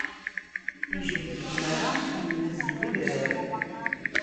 Yejbed-d amara yenhez udrar.